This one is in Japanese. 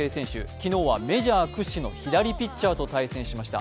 昨日はメジャー屈指の左投手と対戦しました。